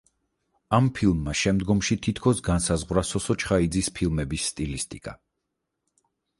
ამ ფილმმა შემდგომში თითქოს განსაზღვრა სოსო ჩხაიძის ფილმების სტილისტიკა.